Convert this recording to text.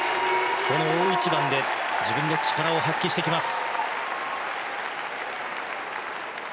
この大一番で自分の力を発揮してきます。